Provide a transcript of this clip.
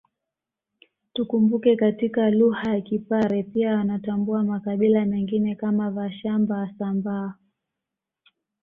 Tukumbuke katika lugha ya Kipare pia wanatambua makabila mengine kama Vashamba Wasambaa